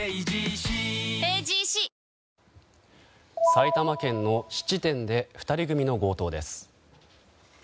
埼玉県の質店で２人組の強盗です。